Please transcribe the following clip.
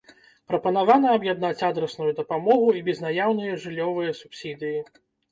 Прапанавана аб'яднаць адрасную дапамогу і безнаяўныя жыллёвыя субсідыі.